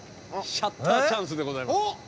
シャッターチャンスでございます。